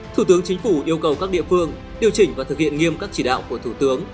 thủ tướng chính phủ yêu cầu các địa phương điều chỉnh và thực hiện nghiêm các chỉ đạo của thủ tướng